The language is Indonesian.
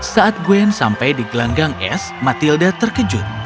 saat gwen sampai di gelanggang es matilda terkejut